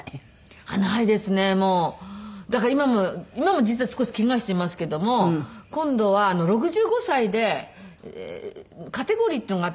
だから今も実は少しケガしていますけども今度は６５歳でカテゴリーっていうのがあって。